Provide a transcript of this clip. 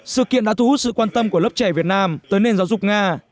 sự kiện đã thu hút sự quan tâm của lớp trẻ việt nam tới nền giáo dục nga